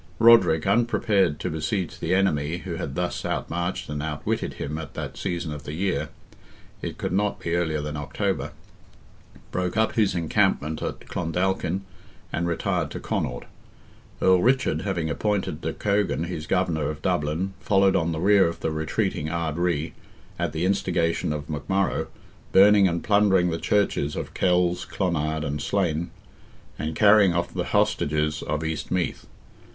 Roderick, unprepared to besiege the enemy who had thus outmarched and outwitted him at that season of the year—it could not be earlier than October—broke up his encampment at Clondalkin, and retired to Connaught. Earl Richard having appointed de Cogan his governor of Dublin, followed on the rear of the retreating Ard Righ, at the instigation of McMurrogh, burning and plundering the churches of Kells, Clonard and Slane, and carrying off the hostages of East Meath.